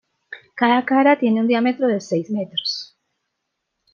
Cada cara tiene un diámetro de seis metros.